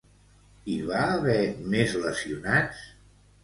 Hi va haver més lesionats?